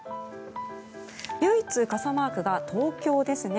唯一傘マークが東京ですね。